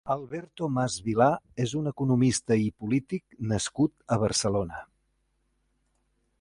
Alberto Mas Vilá és un economista i polític nascut a Barcelona.